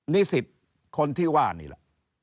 นิสิตคนที่ว่านี่แหละ